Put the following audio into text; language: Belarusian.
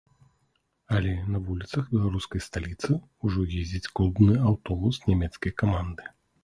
Але на вуліцах беларускай сталіцы ўжо ездзіць клубны аўтобус нямецкай каманды.